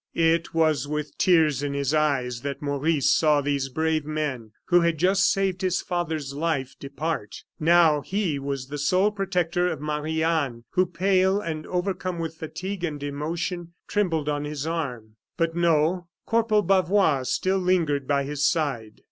It was with tears in his eyes that Maurice saw these brave men, who had just saved his father's life, depart. Now he was the sole protector of Marie Anne, who, pale and overcome with fatigue and emotion, trembled on his arm. But no Corporal Bavois still lingered by his side.